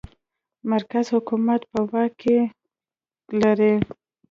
مرکزي حکومت په واک کې لري.